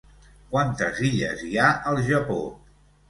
Quantes illes hi ha al Japó?